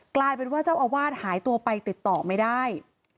กลายเป็นว่าเจ้าอาวาสหายตัวไปติดต่อไม่ได้